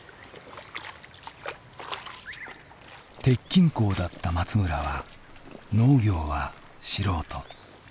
鉄筋工だった松村は農業は素人。